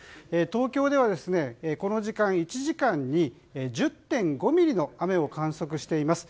東京ではこの時間１時間に１０．５ミリの雨を観測しています。